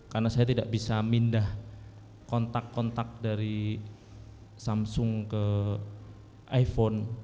karena saya tidak bisa pindah kontak kontak dari samsung ke iphone